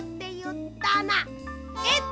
えっ！